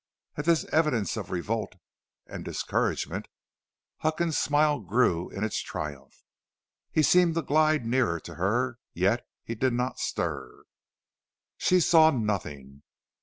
At this evidence of revolt and discouragement, Huckins' smile grew in its triumph. He seemed to glide nearer to her; yet he did not stir. She saw nothing.